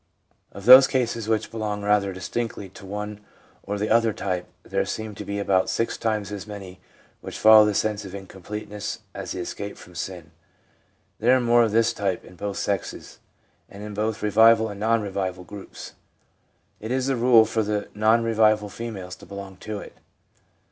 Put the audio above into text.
Of those cases which belong rather distinctly to one or the other type, there seem to be about six times as many which follow the sense of incompleteness as the escape from sin. There are more of this type in both sexes, and in both revival and non revival groups. It is the rule for the non revival females to belong to it.